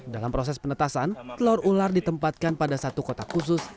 dalam proses penetasan telur ular ditempatkan pada satu kotak khusus